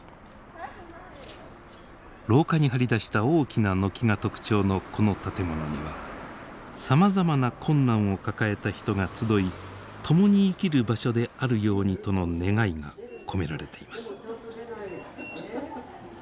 廊下に張り出した大きな軒が特徴のこの建物にはさまざまな困難を抱えた人が集い共に生きる場所であるようにとの願いが込められています。